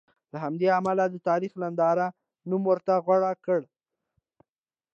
له همدې امله مې د تاریخ ننداره نوم ورته غوره کړ.